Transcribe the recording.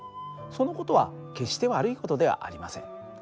その事は決して悪い事ではありません。